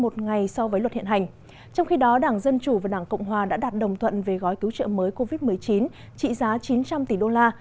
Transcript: trong khi đó đảng dân chủ và đảng cộng hòa đã đạt đồng thuận về gói cứu trợ mới covid một mươi chín trị giá chín trăm linh tỷ đô la